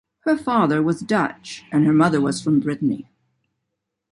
Her father was Dutch and her mother was from Brittany.